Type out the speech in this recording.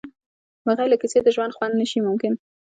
بغیر له کیسې د ژوند خوند نشي ممکن.